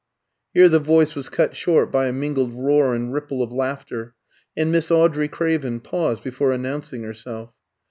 Here the voice was cut short by a mingled roar and ripple of laughter, and Miss Audrey Craven paused before announcing herself.